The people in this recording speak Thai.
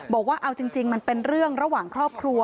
บอกว่าเอาจริงมันเป็นเรื่องระหว่างครอบครัว